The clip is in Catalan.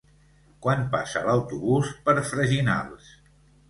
Quan passa l'autobús per Freginals?